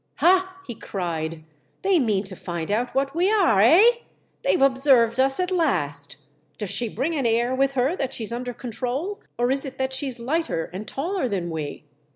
"Ha!" he cried, "they mean to find out what we are, hey ? They've observed us at last. Does she bring an air with her that she's under control, or is it that she's lighter and taller than we